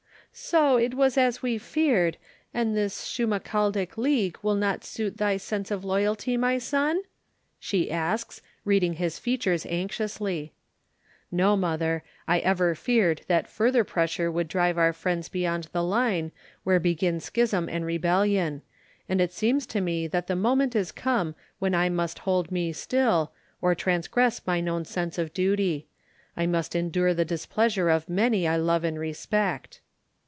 "So it was as we feared, and this Schmalkaldic League did not suit thy sense of loyalty, my son?" she asks, reading his features anxiously. "No, mother. I ever feared that further pressure would drive our friends beyond the line where begin schism and rebellion; and it seems to me that the moment is come when I must hold me still, or transgress mine own sense of duty. I must endure the displeasure of many I love and respect."